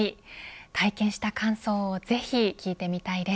体験した感想をぜひ聞いてみたいです。